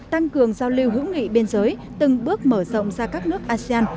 tăng cường giao lưu hữu nghị biên giới từng bước mở rộng ra các nước asean